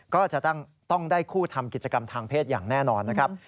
ก็จะต้องได้คู่ทำกิจกรรมทางเพศอย่างแน่นอนนะครับ